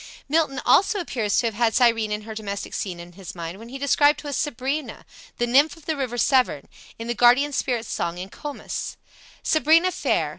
Milton also appears to have had Cyrene and her domestic scene in his mind when he describes to us Sabrina, the nymph of the river Severn, in the Guardian spirit's Song in "Comus": "Sabrina fair!